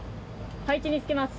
配置につけます。